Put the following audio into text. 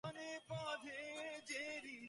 তখন কী হতো তা নিয়ে এখন আর আলোচনা করে লাভ নেই।